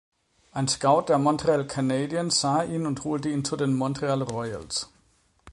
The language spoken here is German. Ein Scout der Montreal Canadiens sah ihn und holte ihn zu den Montreal Royals.